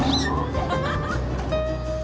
アハハハ。